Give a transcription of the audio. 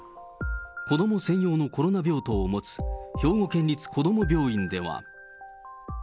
子ども専用のコロナ病棟を持つ、兵庫県立こども病院では。